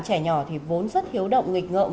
trẻ nhỏ thì vốn rất hiếu động nghịch ngợm